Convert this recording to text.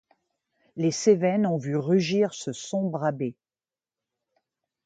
Les Cévennes ont vu rugir ce sombre abbé